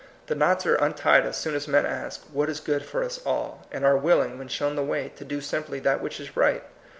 The knots are untied as soon as men ask, — What is good for us all ? and are willing, when shown the way, to do simply that which is right.